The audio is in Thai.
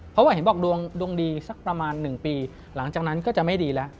เพราะว่าเห็นบอกดวงดวงดีสักประมาณ๑ปีหลังจากนั้นก็จะไม่ดีแล้ว